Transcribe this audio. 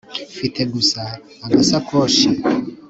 Mfite gusa agasakoshi